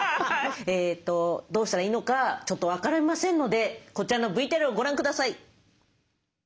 えとどうしたらいいのかちょっと分かりませんのでこちらのＶＴＲをご覧下さい。